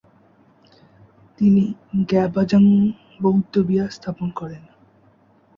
তিনি গ্যা'-ব্জাং বৌদ্ধবিহার স্থাপন করেন।